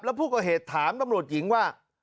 แล้วผู้ก่อเหตุถามตำรวจหญิงว่า